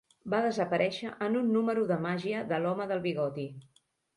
Va desaparèixer en un número de màgia de l'home del bigoti.